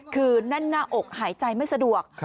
คือแน่นหน้าอกหายใจไม่สะดวก